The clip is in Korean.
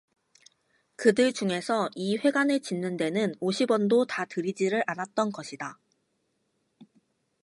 그들 중에서 이 회관을 짓는 데는 오십 원도 다 들이지를 않았던 것이다.